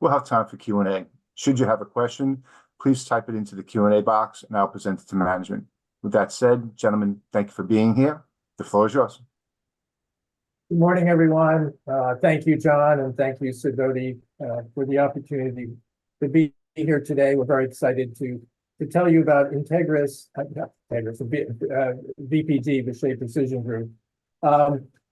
We'll have time for Q&A. Should you have a question, please type it into the Q&A box, and I'll present it to management. With that said, gentlemen, thank you for being here. The floor is yours. Good morning, everyone. Thank you, John, and thank you, Ziv Shoshani, for the opportunity to be here today. We're very excited to tell you about introducing VPG, Vishay Precision Group.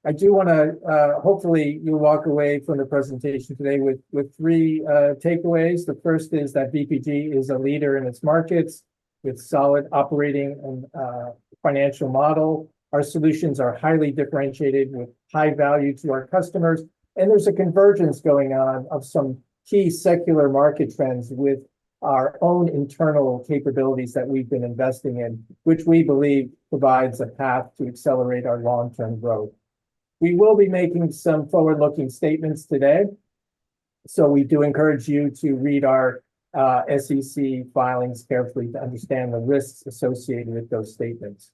I do want to hopefully you'll walk away from the presentation today with three takeaways. The first is that VPG is a leader in its markets with solid operating and financial models. Our solutions are highly differentiated, with high value to our customers. And there's a convergence going on of some key secular market trends with our own internal capabilities that we've been investing in, which we believe provides a path to accelerate our long-term growth. We will be making some forward-looking statements today. So we do encourage you to read our SEC filings carefully to understand the risks associated with those statements.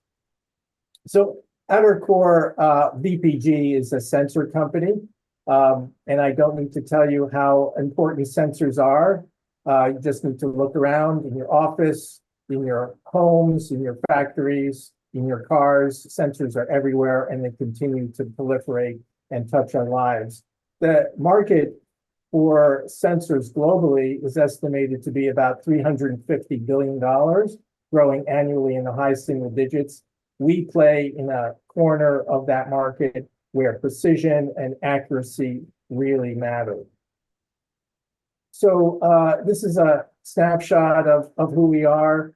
So at our core, VPG is a sensor company. I don't need to tell you how important Sensors are. You just need to look around in your office, in your homes, in your factories, in your cars. Sensors are everywhere, and they continue to proliferate and touch our lives. The market for Sensors globally is estimated to be about $350 billion, growing annually in the high single digits. We play in a corner of that market where precision and accuracy really matter. This is a snapshot of who we are.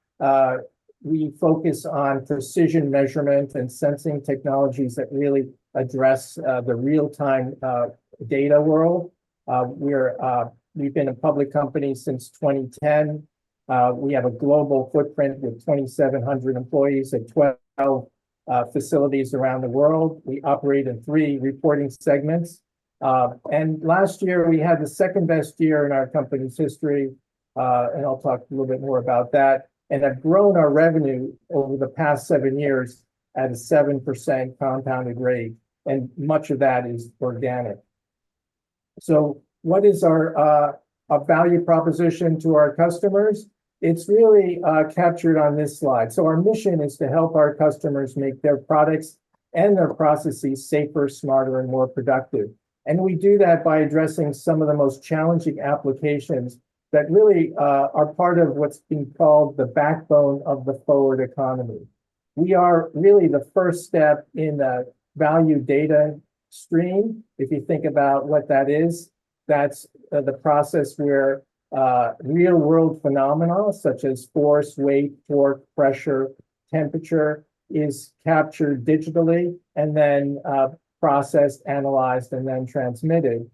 We focus on precision measurement and sensing technologies that really address the real-time data world. We've been a public company since 2010. We have a global footprint with 2,700 employees at 12 facilities around the world. We operate in three reporting segments. Last year, we had the second-best year in our company's history. I'll talk a little bit more about that. And have grown our revenue over the past seven years at a 7% compounded rate. Much of that is organic. So what is our value proposition to our customers? It's really captured on this slide. Our mission is to help our customers make their products and their processes safer, smarter, and more productive. We do that by addressing some of the most challenging applications that really are part of what's being called the backbone of the forward economy. We are really the first step in the value data stream. If you think about what that is, that's the process where real-world phenomena such as force, weight, torque, pressure, temperature is captured digitally, and then processed, analyzed, and then transmitted.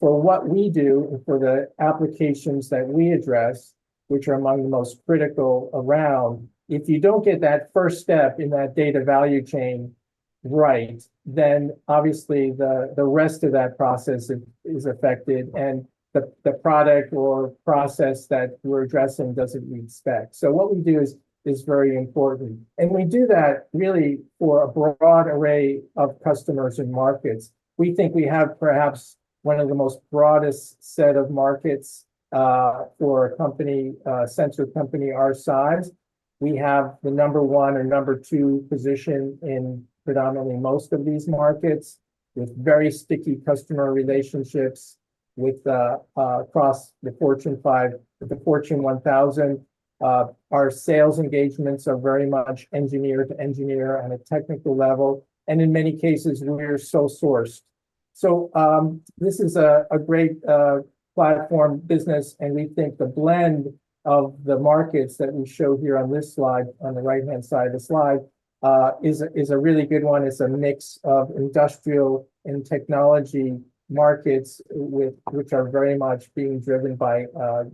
For what we do, for the applications that we address, which are among the most critical around, if you don't get that first step in that data value chain right, then obviously the rest of that process is affected, and the product or process that we're addressing doesn't meet spec. So what we do is very important. And we do that really for a broad array of customers and markets. We think we have perhaps one of the most broadest set of markets for a sensor company our size. We have the number one or number two position in predominantly most of these markets, with very sticky customer relationships across the Fortune 5, the Fortune 1000. Our sales engagements are very much engineer to engineer on a technical level. And in many cases, we're sole sourced. So this is a great platform business. We think the blend of the markets that we show here on this slide, on the right-hand side of the slide, is a really good one. It's a mix of industrial and technology markets, which are very much being driven by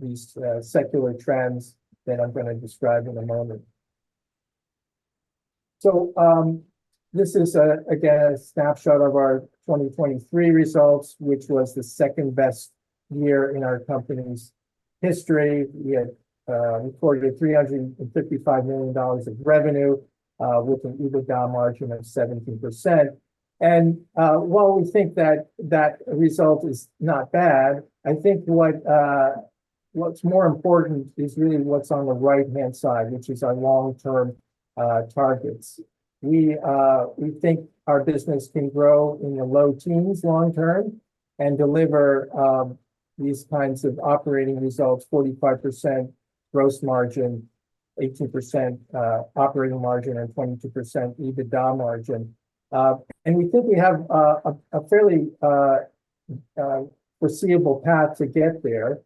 these secular trends that I'm going to describe in a moment. This is, again, a snapshot of our 2023 results, which was the second-best year in our company's history. We had reported $355 million of revenue, with an EBITDA margin of 17%. And while we think that that result is not bad, I think what's more important is really what's on the right-hand side, which is our long-term targets. We think our business can grow in the low teens long-term and deliver these kinds of operating results: 45% gross margin, 18% operating margin, and 22% EBITDA margin. We think we have a fairly foreseeable path to get there,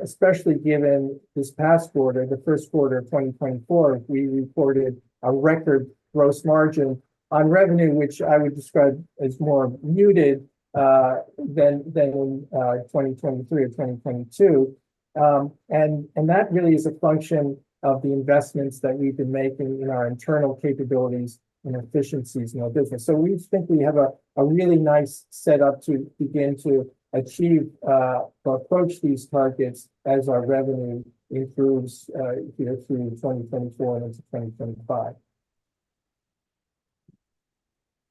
especially given this past quarter, the first quarter of 2024, we reported a record gross margin on revenue, which I would describe as more muted than in 2023 or 2022. That really is a function of the investments that we've been making in our internal capabilities and efficiencies in our business. We think we have a really nice setup to begin to achieve or approach these targets as our revenue improves here through 2024 and into 2025.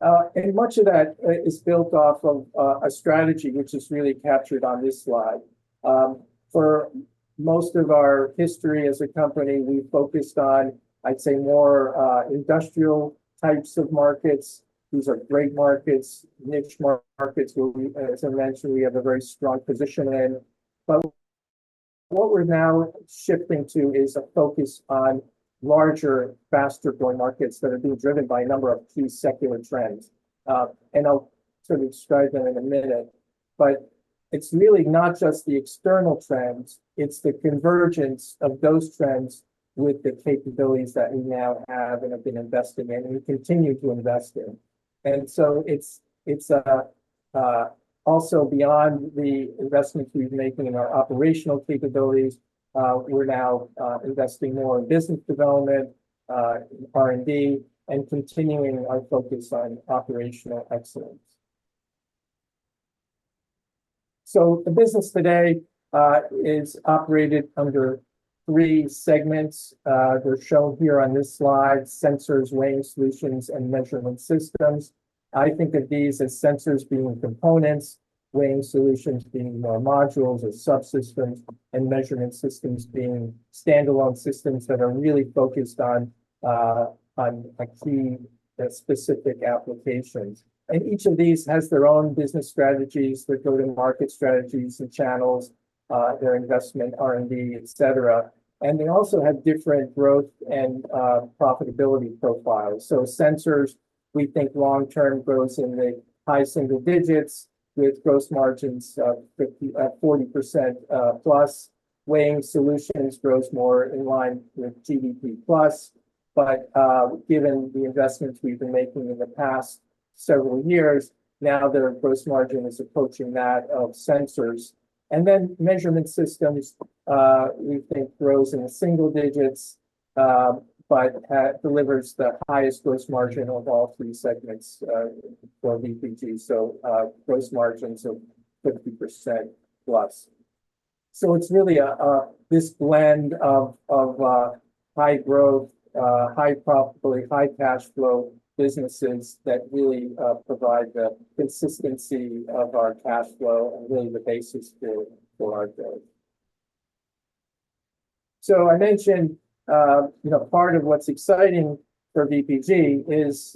Much of that is built off of a strategy, which is really captured on this slide. For most of our history as a company, we focused on, I'd say, more industrial types of markets. These are great markets, niche markets, where we, as I mentioned, we have a very strong position in. But what we're now shifting to is a focus on larger, faster-growing markets that are being driven by a number of key secular trends. And I'll sort of describe them in a minute. But it's really not just the external trends. It's the convergence of those trends with the capabilities that we now have and have been investing in and continue to invest in. And so it's also beyond the investments we've made in our operational capabilities. We're now investing more in business development, R&D, and continuing our focus on operational excellence. So the business today is operated under three segments. They're shown here on this slide: Sensors, Weighing Solutions, and Measurement Systems. I think of these as Sensors being components, Weighing Solutions being more modules or subsystems, and Measurement Systems being standalone systems that are really focused on key specific applications. Each of these has their own business strategies, their go-to-market strategies and channels, their investment, R&D, etc. And they also have different growth and profitability profiles. So Sensors, we think long-term grows in the high single digits with gross margins of 40%+. Weighing Solutions grows more in line with GDP plus. But given the investments we've been making in the past several years, now their gross margin is approaching that of Sensors. And then Measurement Systems, we think, grows in the single digits but delivers the highest gross margin of all three segments for VPG. So gross margins of 50%+. So it's really this blend of high growth, high profitability, high cash flow businesses that really provide the consistency of our cash flow and really the basis for our growth. I mentioned part of what's exciting for VPG is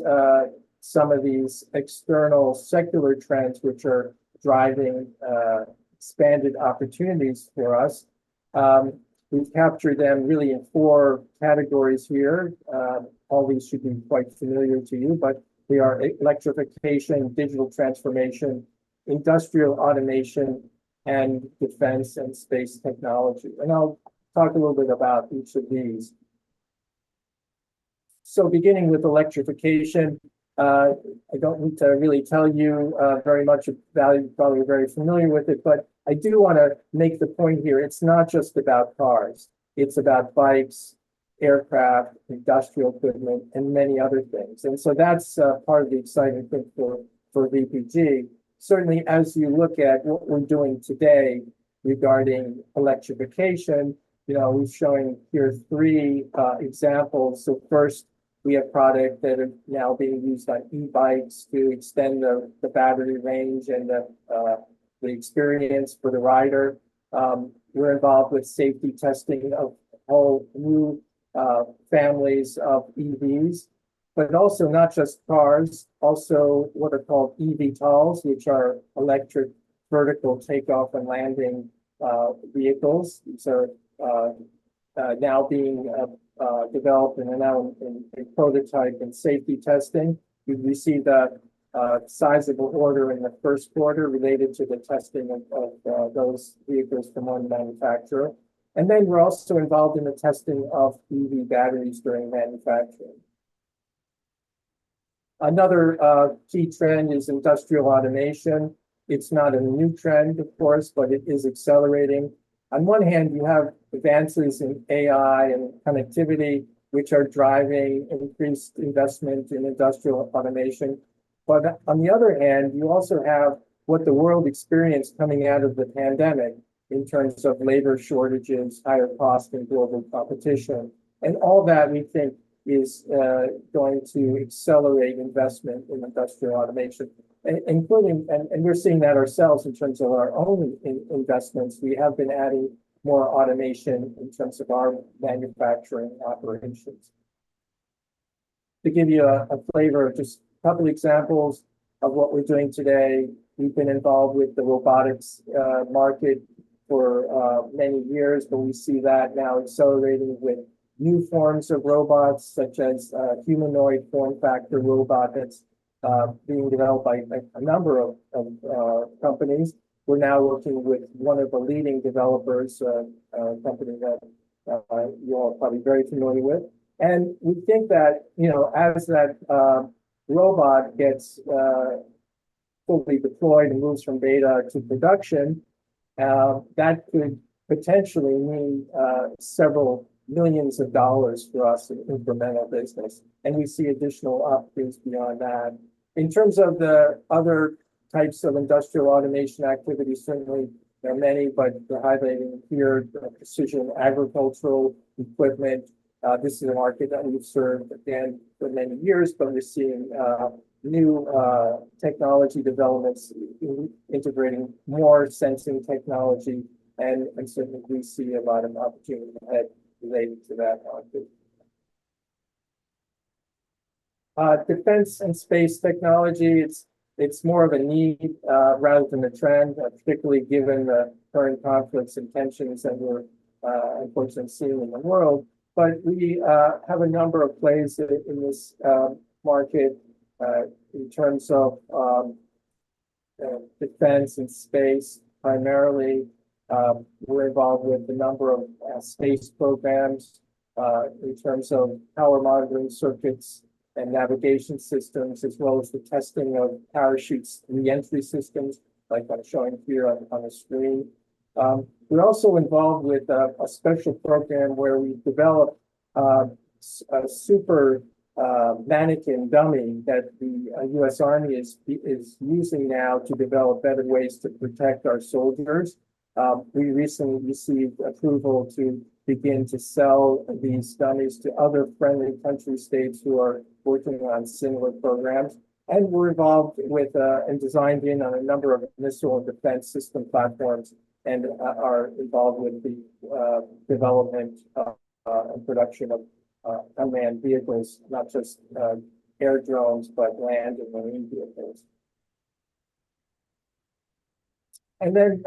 some of these external secular trends which are driving expanded opportunities for us. We've captured them really in four categories here. All these should be quite familiar to you, but they are electrification, digital transformation, industrial automation, and defense and space technology. I'll talk a little bit about each of these. Beginning with electrification, I don't need to really tell you very much of value, probably very familiar with it. But I do want to make the point here. It's not just about cars. It's about bikes, aircraft, industrial equipment, and many other things. That's part of the exciting thing for VPG. Certainly, as you look at what we're doing today regarding electrification, we're showing here three examples. So first, we have products that are now being used on e-bikes to extend the battery range and the experience for the rider. We're involved with safety testing of whole new families of EVs. But also not just cars, also what are called eVTOLs, which are electric vertical takeoff and landing vehicles. These are now being developed and are now in prototype and safety testing. We see the sizable order in the first quarter related to the testing of those vehicles from one manufacturer. And then we're also involved in the testing of EV batteries during manufacturing. Another key trend is industrial automation. It's not a new trend, of course, but it is accelerating. On one hand, you have advances in AI and connectivity, which are driving increased investment in industrial automation. On the other hand, you also have what the world experienced coming out of the pandemic in terms of labor shortages, higher costs, and global competition. All that, we think, is going to accelerate investment in industrial automation. We're seeing that ourselves in terms of our own investments. We have been adding more automation in terms of our manufacturing operations. To give you a flavor, just a couple of examples of what we're doing today. We've been involved with the robotics market for many years, but we see that now accelerating with new forms of robots, such as humanoid form factor robots, being developed by a number of companies. We're now working with one of the leading developers, a company that you're all probably very familiar with. We think that as that robot gets fully deployed and moves from beta to production, that could potentially mean $several million for us in incremental business. We see additional opportunities beyond that. In terms of the other types of industrial automation activities, certainly there are many, but the highlighted here are precision agricultural equipment. This is a market that we've served again for many years, but we're seeing new technology developments integrating more sensing technology. Certainly, we see a lot of opportunity ahead related to that market. Defense and space technology, it's more of a need rather than a trend, particularly given the current conflicts and tensions that we're unfortunately seeing in the world. But we have a number of plays in this market in terms of defense and space. Primarily, we're involved with a number of space programs in terms of power monitoring circuits and navigation systems, as well as the testing of parachutes and re-entry systems, like I'm showing here on the screen. We're also involved with a special program where we've developed a super mannequin dummy that the U.S. Army is using now to develop better ways to protect our soldiers. We recently received approval to begin to sell these dummies to other friendly country states who are working on similar programs. And we're involved with and designed in on a number of missile and defense system platforms and are involved with the development and production of unmanned vehicles, not just air drones, but land and marine vehicles. And then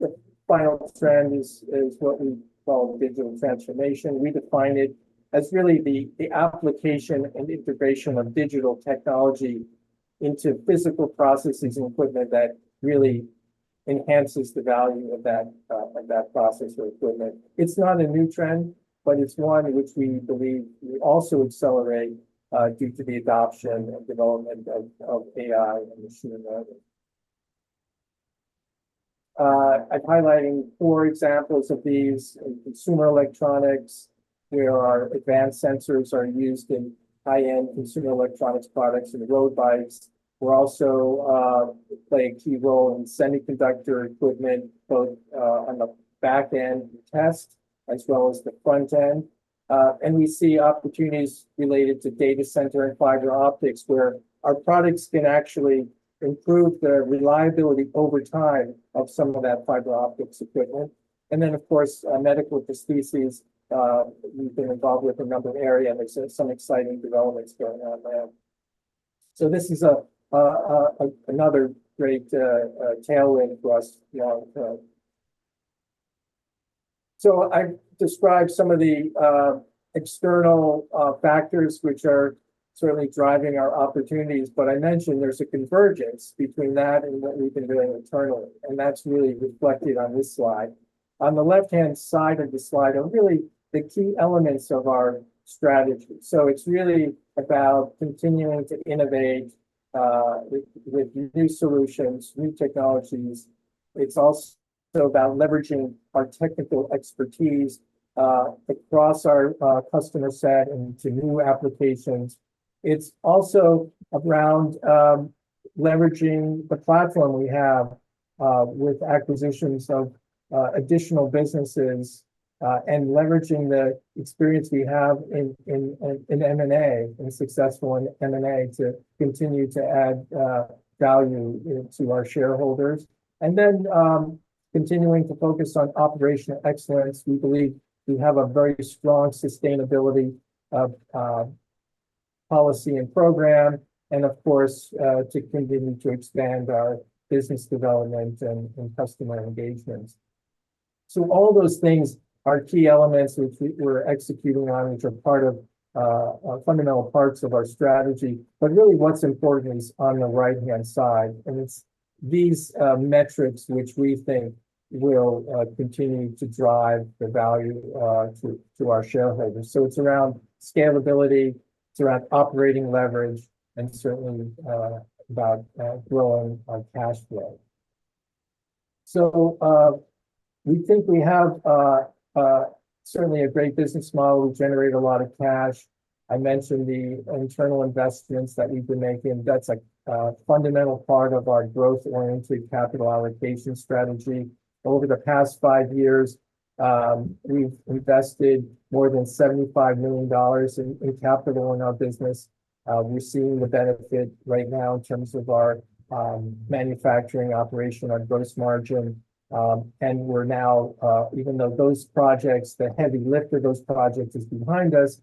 the final trend is what we call digital transformation. We define it as really the application and integration of digital technology into physical processes and equipment that really enhances the value of that process or equipment. It's not a new trend, but it's one which we believe will also accelerate due to the adoption and development of AI and machine learning. I'm highlighting four examples of these in consumer electronics, where our advanced Sensors are used in high-end consumer electronics products and road bikes. We're also playing a key role in semiconductor equipment, both on the back end to test as well as the front end. And we see opportunities related to data center and fiber optics, where our products can actually improve the reliability over time of some of that fiber optics equipment. And then, of course, medical prostheses. We've been involved with a number of areas, and there's some exciting developments going on there. This is another great tailwind for us. I've described some of the external factors which are certainly driving our opportunities. But I mentioned there's a convergence between that and what we've been doing internally. That's really reflected on this slide. On the left-hand side of the slide are really the key elements of our strategy. It's really about continuing to innovate with new solutions, new technologies. It's also about leveraging our technical expertise across our customer set and to new applications. It's also around leveraging the platform we have with acquisitions of additional businesses and leveraging the experience we have in M&A, in successful M&A, to continue to add value to our shareholders. Then continuing to focus on operational excellence. We believe we have a very strong sustainability policy and program, and of course, to continue to expand our business development and customer engagement. So all those things are key elements which we're executing on, which are part of fundamental parts of our strategy. But really, what's important is on the right-hand side. And it's these metrics which we think will continue to drive the value to our shareholders. So it's around scalability. It's around operating leverage and certainly about growing our cash flow. So we think we have certainly a great business model. We generate a lot of cash. I mentioned the internal investments that we've been making. That's a fundamental part of our growth-oriented capital allocation strategy. Over the past five years, we've invested more than $75 million in capital in our business. We're seeing the benefit right now in terms of our manufacturing operation on gross margin. We're now, even though those projects, the heavy lift of those projects is behind us,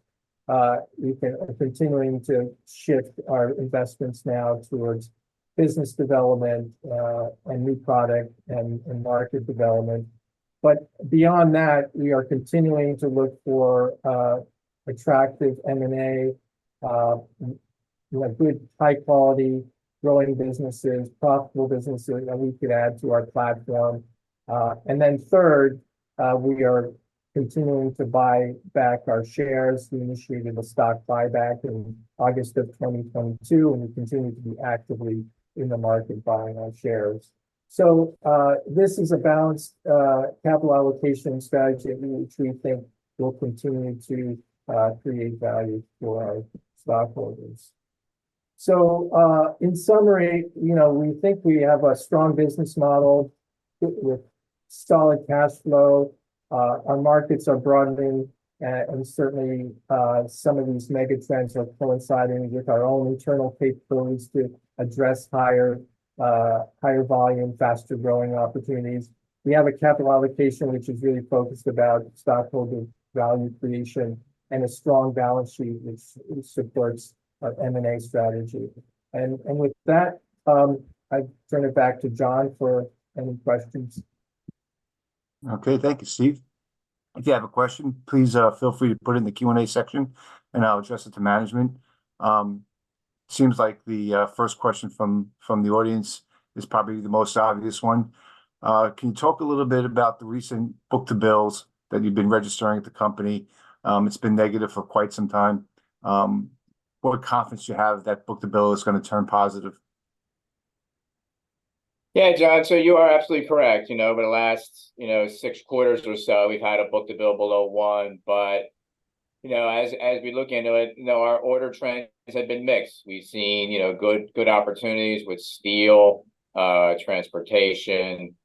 continuing to shift our investments now towards business development and new product and market development. Beyond that, we are continuing to look for attractive M&A, good high-quality growing businesses, profitable businesses that we could add to our platform. Then third, we are continuing to buy back our shares. We initiated a stock buyback in August of 2022, and we continue to be actively in the market buying our shares. This is a balanced capital allocation strategy which we think will continue to create value for our stockholders. In summary, we think we have a strong business model with solid cash flow. Our markets are broadening, and certainly some of these mega trends are coinciding with our own internal capabilities to address higher volume, faster growing opportunities. We have a capital allocation which is really focused about stockholder value creation and a strong balance sheet which supports our M&A strategy. With that, I turn it back to John for any questions. Okay. Thank you, Steve. If you have a question, please feel free to put it in the Q&A section, and I'll address it to management. Seems like the first question from the audience is probably the most obvious one. Can you talk a little bit about the recent book-to-bills that you've been registering at the company? It's been negative for quite some time. What confidence do you have that book-to-bill is going to turn positive? Yeah, John, so you are absolutely correct. Over the last six quarters or so, we've had a book-to-bill below one. But as we look into it, our order trends have been mixed. We've seen good opportunities with steel, transportation.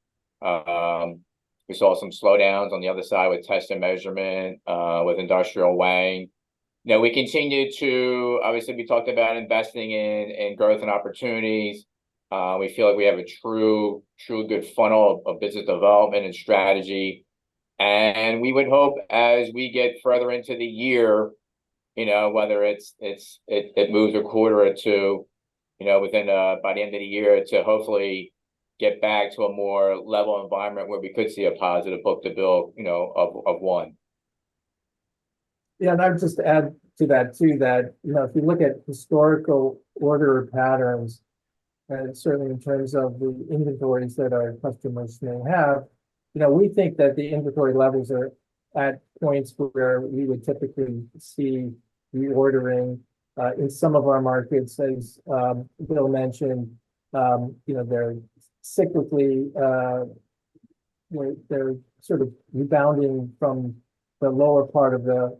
We saw some slowdowns on the other side with test and measurement, with industrial weighing. We continue to, obviously, we talked about investing in growth and opportunities. We feel like we have a true good funnel of business development and strategy. We would hope as we get further into the year, whether it moves a quarter or two by the end of the year, to hopefully get back to a more level environment where we could see a positive book-to-bill of 1. Yeah. I would just add to that too that if you look at historical order patterns, and certainly in terms of the inventories that our customers may have, we think that the inventory levels are at points where we would typically see reordering in some of our markets, as Bill mentioned. They're cyclically, they're sort of rebounding from the lower part of the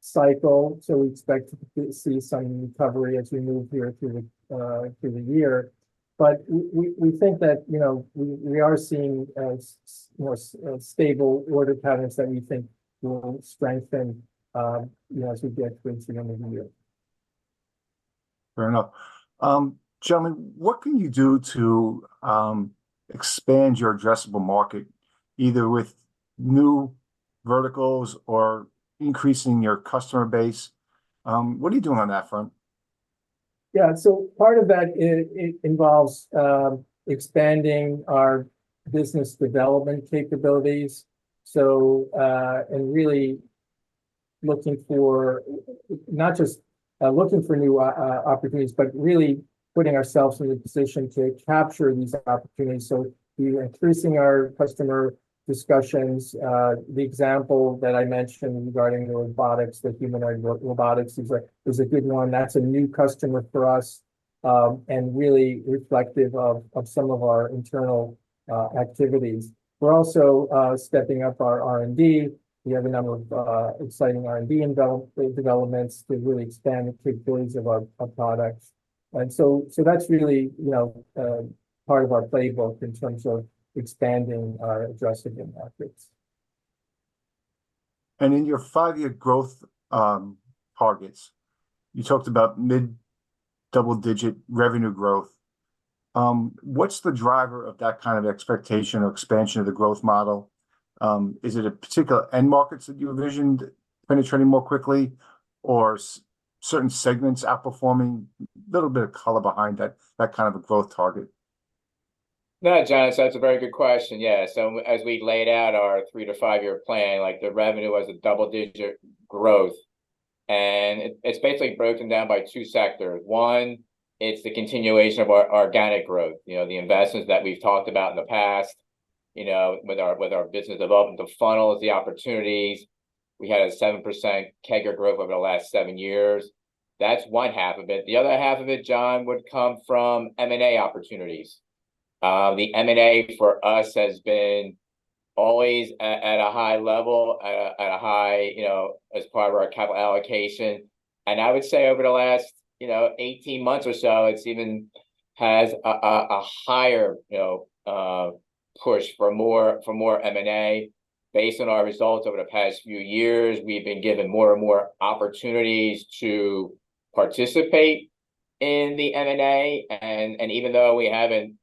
cycle. So we expect to see some recovery as we move here through the year. But we think that we are seeing stable order patterns that we think will strengthen as we get towards the end of the year. Fair enough. Gentlemen, what can you do to expand your addressable market, either with new verticals or increasing your customer base? What are you doing on that front? Yeah. So part of that involves expanding our business development capabilities and really looking for not just new opportunities, but really putting ourselves in a position to capture these opportunities. So we are increasing our customer discussions. The example that I mentioned regarding the robotics, the humanoid robotics, is a good one. That's a new customer for us and really reflective of some of our internal activities. We're also stepping up our R&D. We have a number of exciting R&D developments to really expand the capabilities of our products. And so that's really part of our playbook in terms of expanding our addressable markets. And in your 5-year growth targets, you talked about mid-double-digit revenue growth. What's the driver of that kind of expectation or expansion of the growth model? Is it a particular end markets that you envisioned penetrating more quickly, or certain segments outperforming? A little bit of color behind that kind of a growth target. No, John, that's a very good question. Yeah. So as we laid out our 3- to 5-year plan, the revenue was a double-digit growth. And it's basically broken down by two sectors. One, it's the continuation of our organic growth, the investments that we've talked about in the past with our business development, the funnels, the opportunities. We had a 7% CAGR growth over the last seven years. That's one half of it. The other half of it, John, would come from M&A opportunities. The M&A for us has been always at a high level, at a high as part of our capital allocation. I would say over the last 18 months or so, it's even had a higher push for more M&A. Based on our results over the past few years, we've been given more and more opportunities to participate in the M&A. Even though we haven't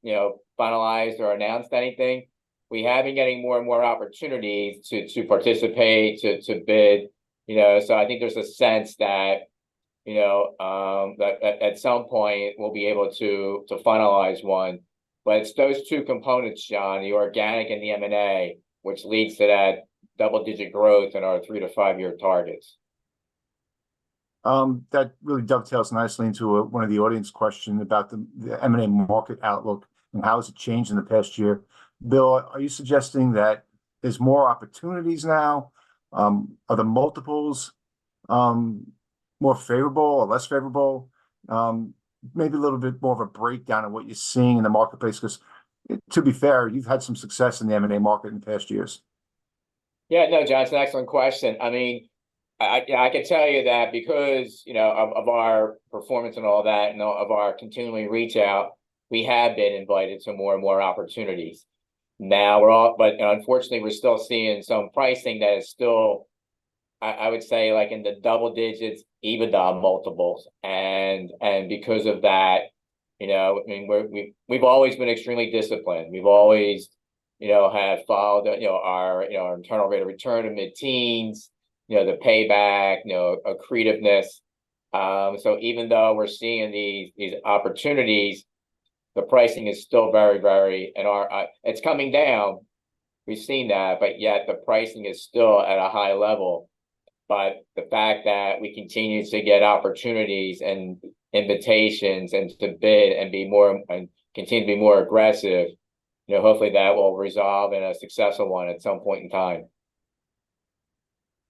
finalized or announced anything, we have been getting more and more opportunities to participate, to bid. I think there's a sense that at some point, we'll be able to finalize one. It's those two components, John, the organic and the M&A, which leads to that double-digit growth in our three to five-year targets. That really dovetails nicely into one of the audience questions about the M&A market outlook and how has it changed in the past year. Bill, are you suggesting that there's more opportunities now? Are the multiples more favorable or less favorable? Maybe a little bit more of a breakdown of what you're seeing in the marketplace? Because to be fair, you've had some success in the M&A market in past years. Yeah. No, John, it's an excellent question. I mean, I can tell you that because of our performance and all that and of our continuing reach out, we have been invited to more and more opportunities. Now, but unfortunately, we're still seeing some pricing that is still, I would say, in the double digits, even multiples. And because of that, I mean, we've always been extremely disciplined. We've always had followed our internal rate of return in the teens, the payback, accretiveness. So even though we're seeing these opportunities, the pricing is still very, very and it's coming down. We've seen that, but yet the pricing is still at a high level. But the fact that we continue to get opportunities and invitations and to bid and continue to be more aggressive, hopefully that will resolve in a successful one at some point in time.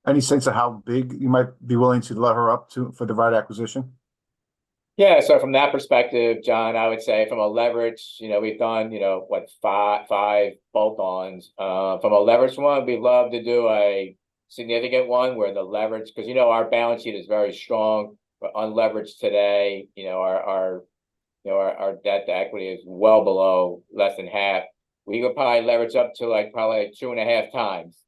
Any sense of how big you might be willing to lever up for the right acquisition? Yeah. So from that perspective, John, I would say from a leverage, we've done, what, 5 bolt-ons? From a leverage one, we'd love to do a significant one where the leverage because our balance sheet is very strong, but unleveraged today, our debt to equity is well below less than half. We would probably leverage up to probably 2.5 times.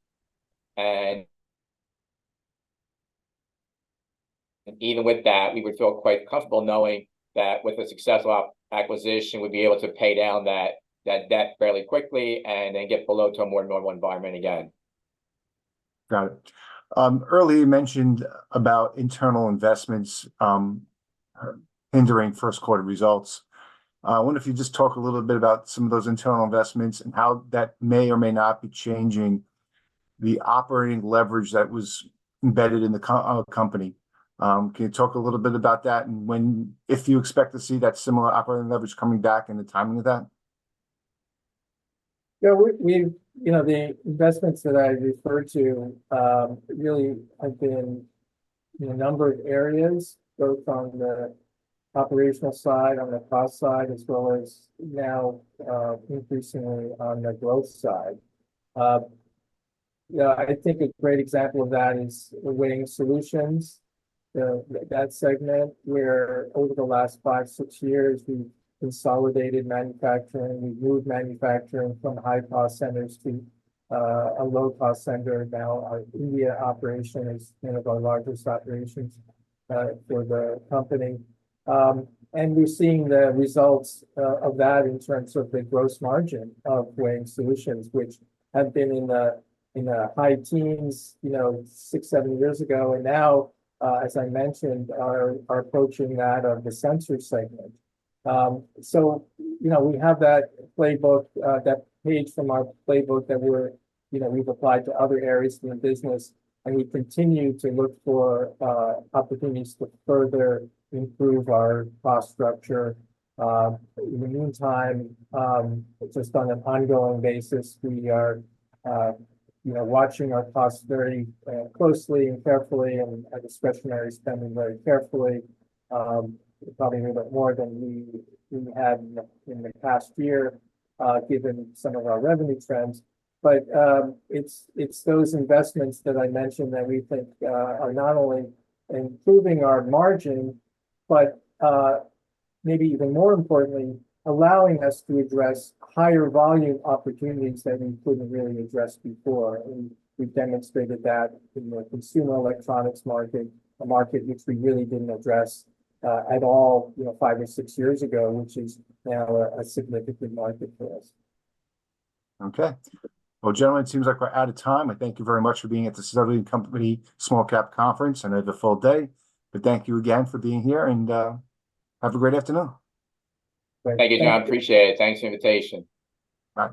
And even with that, we would feel quite comfortable knowing that with a successful acquisition, we'd be able to pay down that debt fairly quickly and then get below to a more normal environment again. Got it. Early, you mentioned about internal investments hindering first-quarter results. I wonder if you'd just talk a little bit about some of those internal investments and how that may or may not be changing the operating leverage that was embedded in the company. Can you talk a little bit about that and if you expect to see that similar operating leverage coming back and the timing of that? Yeah. I mean, the investments that I referred to really have been in a number of areas, both on the operational side, on the cost side, as well as now increasingly on the growth side. I think a great example of that is Weighing Solutions, that segment where over the last 5-6 years, we've consolidated manufacturing. We've moved manufacturing from high-cost centers to a low-cost center. Now, our India operation is one of our largest operations for the company. And we're seeing the results of that in terms of the gross margin of Weighing Solutions, which had been in the high teens 6-7 years ago. And now, as I mentioned, are approaching that of the sensor segment. So we have that playbook, that page from our playbook that we've applied to other areas of the business. And we continue to look for opportunities to further improve our cost structure. In the meantime, just on an ongoing basis, we are watching our costs very closely and carefully and our discretionary spending very carefully, probably a little bit more than we had in the past year, given some of our revenue trends. But it's those investments that I mentioned that we think are not only improving our margin, but maybe even more importantly, allowing us to address higher volume opportunities that we couldn't really address before. And we've demonstrated that in the consumer electronics market, a market which we really didn't address at all five or six years ago, which is now a significant market for us. Okay. Well, gentlemen, it seems like we're out of time. I thank you very much for being at the Sidoti & Company Small Cap Conference. I know it's a full day, but thank you again for being here, and have a great afternoon. Thank you, John. Appreciate it. Thanks for the invitation.